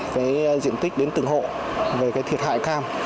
về diện tích đến từng hộ về thiệt hại cam